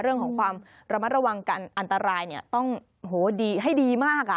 เรื่องของความระมัดระวังกันอันตรายเนี่ยต้องให้ดีมาก